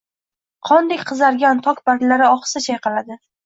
Qondek qizargan tok barglari ohista chayqaladi.